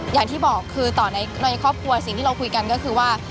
อย่างที่บอกคือต่อในครอบครัวสิ่งที่เราคุยกันก็คือว่า